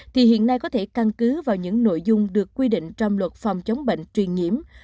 thì hiện nay có thể căn cứ vào những nội dung được quy định trong luật phòng chống bệnh truyền nhiễm